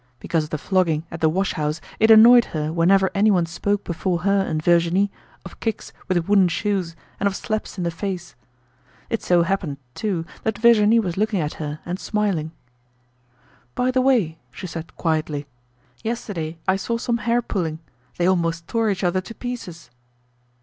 Because of the flogging at the wash house it annoyed her whenever anyone spoke before her and Virginie of kicks with wooden shoes and of slaps in the face. It so happened, too, that Virginie was looking at her and smiling. "By the way," she said quietly, "yesterday I saw some hair pulling. They almost tore each other to pieces."